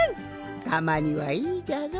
たまにはいいじゃろ。